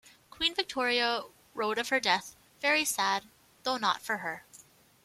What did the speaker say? Queen Victoria wrote of her death: Very sad, though not for her.